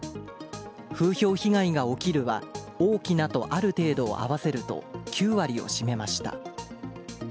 風評被害が起きるは大きなとある程度を合わせると９割を占めました。